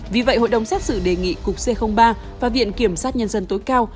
vì vậy hội đồng xét xử đề nghị cục c ba và viện kiểm sát nhân dân tối cao